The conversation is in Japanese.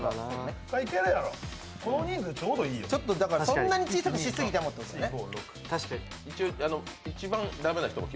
そんなに小さくしすぎてもというね。